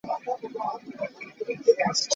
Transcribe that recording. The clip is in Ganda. Tulina okusigala nga tuli bumu.